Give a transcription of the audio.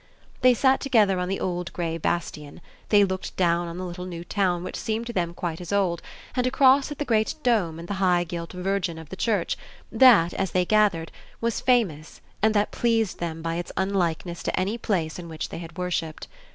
They sat together on the old grey bastion; they looked down on the little new town which seemed to them quite as old, and across at the great dome and the high gilt Virgin of the church that, as they gathered, was famous and that pleased them by its unlikeness to any place in which they had worshipped.